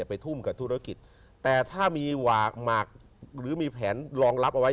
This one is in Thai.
ไปทุ่มกับธุรกิจแต่ถ้ามีหวากหมากหรือมีแผนรองรับเอาไว้